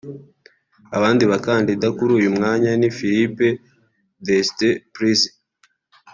Abandi bakandida kuri uyu mwanya ni Philippe Douste-Blazy